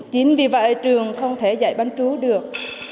chính vì vậy trường không thể dạy bán chú được